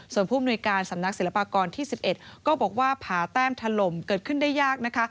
ส่วนผู้มนุยการสำนักศิลปากรที่๑๑ก็บอกว่าผาแต้มถล่มเกิดขึ้นได้ยากนะคะ